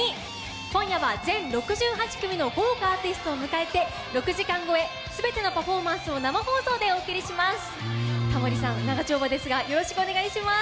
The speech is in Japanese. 今夜は全６８組の豪華アーティストを迎えて６時間超え全てのパフォーマンスを生放送でお送りします。